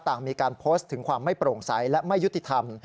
ต่างมีการโพสต์ถึงความไม่โปร่งใสและไม่ยุติธรรม